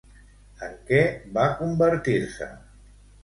En què va convertir-se?